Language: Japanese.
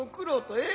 ええ！？